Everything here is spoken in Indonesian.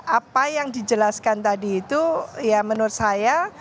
apa yang dijelaskan tadi itu ya menurut saya